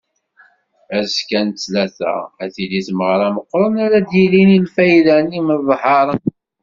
Azekka n ttlata ad tili tmeɣra meqqren ara d-yilin i lfayda n yimeḍharen.